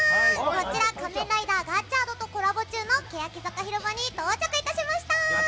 こちら「仮面ライダーガッチャード」とコラボ中のけやき坂広場に到着いたしました！